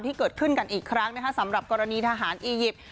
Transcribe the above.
ที่เกิดขึ้นกันอีกครั้งนะคะสำหรับกรณีทหารอียิปต์